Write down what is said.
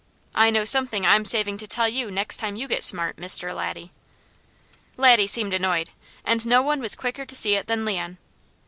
I know something I'm saving to tell next time you get smart, Mr. Laddie." Laddie seemed annoyed and no one was quicker to see it than Leon.